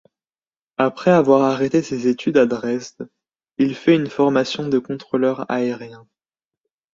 Après avoir arrêté ses études à Dresde, il fait une formation de contrôleur aérien.